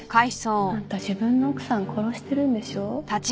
あんた自分の奥さん殺してるんでしょ。